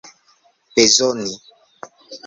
bezoni